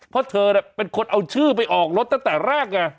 เพราะเธอเนี่ยเป็นคนเอาชื่อไปออกรถตั้งแต่แรกเนี่ย